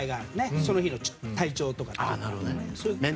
その日の体調とか。